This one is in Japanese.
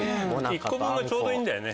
１個分がちょうどいいんだよね。